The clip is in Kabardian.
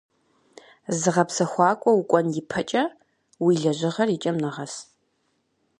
Зыгъэпсэхуакӏуэ укӏуэн и пэкӏэ, уи лэжьыгъэр и кӏэм нэгъэс.